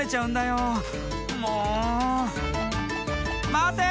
まて！